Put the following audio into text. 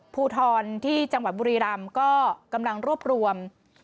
ภูทรที่จังหวัดบุรีรำก็กำลังรวบรวม